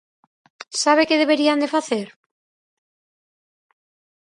¿Sabe que deberían de facer?